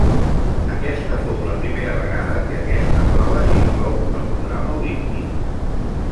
Aquesta fou la primera vegada que aquesta prova s'inclou al programa olímpic.